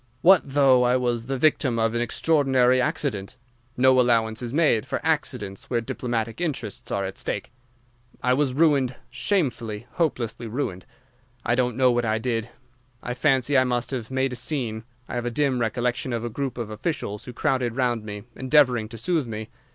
What though I was the victim of an extraordinary accident? No allowance is made for accidents where diplomatic interests are at stake. I was ruined, shamefully, hopelessly ruined. I don't know what I did. I fancy I must have made a scene. I have a dim recollection of a group of officials who crowded round me, endeavouring to soothe me.